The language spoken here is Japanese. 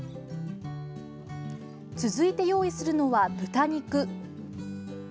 続いて用意するのは豚肉。